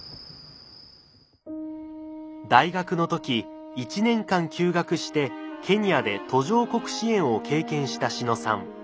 大学の時１年間休学してケニアで途上国支援を経験した志野さん。